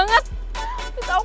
gak ada apa apa